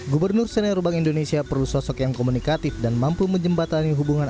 gubernur senior bank indonesia perlu sosok yang komunikatif dan mampu menjembatani hubungan